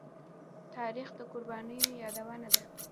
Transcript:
تاریخ د قربانيو يادونه ده.